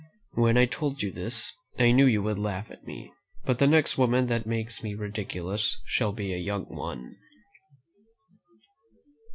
When I told you this, I knew you would laugh at me; but the next woman that makes me ridiculous shall be a young one."